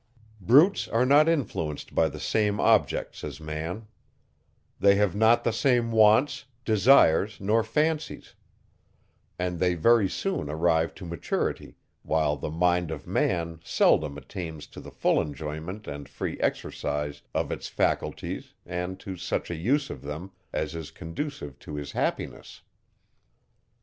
Brutes are not influenced by the same objects, as man; they have not the same wants, desires, nor fancies; and they very soon arrive to maturity, while the mind of man seldom attains to the full enjoyment and free exercise of its faculties and to such a use of them, as is conducive to his happiness.